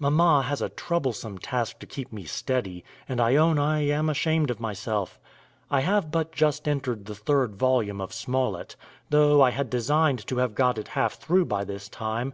Mamma has a troublesome task to keep me steady, and I own I am ashamed of myself. I have but just entered the third volume of Smollett, tho' I had designed to have got it half through by this time.